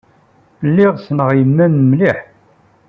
Lliɣ ssneɣ yemma-m mliḥ.